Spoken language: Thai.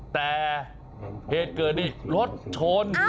แต่เหตุเกิดนี่รถชน